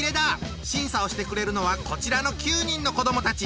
審査をしてくれるのはこちらの９人の子どもたち。